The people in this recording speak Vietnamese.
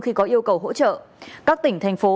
khi có yêu cầu hỗ trợ các tỉnh thành phố